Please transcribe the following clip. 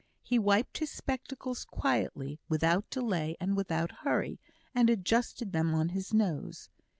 He wiped his spectacles quietly, without delay, and without hurry, and adjusted them on his nose.